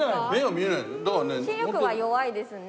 視力は弱いですね。